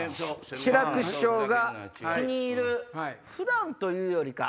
志らく師匠が気に入る普段というよりか。